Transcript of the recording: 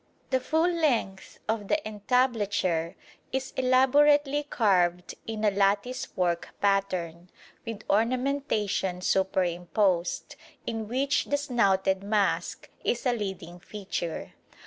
The full length of the entablature is elaborately carved in a lattice work pattern, with ornamentation superimposed, in which the snouted mask is a leading feature.